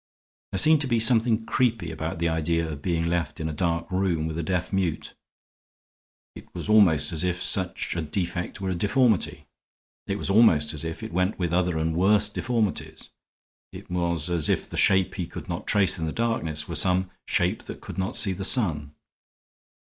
There seemed to be something creepy about the idea of being left in a dark room with a deaf mute. It was almost as if such a defect were a deformity. It was almost as if it went with other and worse deformities. It was as if the shape he could not trace in the darkness were some shape that should not see the sun.